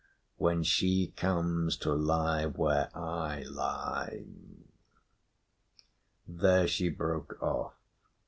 When she comes to lie where I lie " There she broke off.